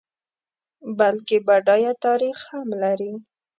بلکه بډایه تاریخ هم لري.